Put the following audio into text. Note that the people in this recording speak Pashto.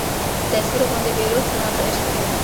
چي تصویر غوندي بې روح سومه په عشق کي